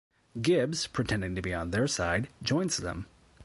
Gibbs, pretending to be on their side, joins them.